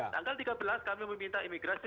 tanggal tiga belas kami meminta imigrasi